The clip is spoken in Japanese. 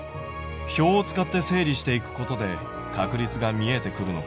表を使って整理していくことで確率が見えてくるのかな？